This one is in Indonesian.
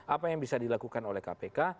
apa yang bisa dilakukan oleh kpk